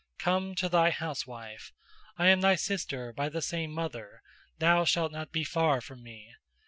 Come to thy housewife. I am thy sister by the same mother, thou shalt not be far from me.